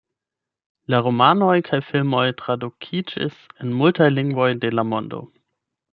La romanoj kaj filmoj tradukiĝis en multaj lingvoj de la mondo.